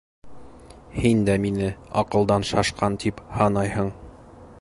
Һин дә мине аҡылдан шашҡан, тип һанайһың.